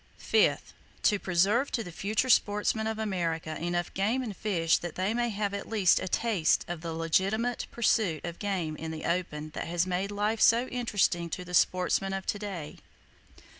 Fifth,—To preserve to the future sportsmen of America enough game and fish that they may have at least a taste of the legitimate pursuit of game in the open that has made life so interesting to the sportsmen of to day.